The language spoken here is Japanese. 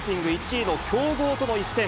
１位の強豪との一戦。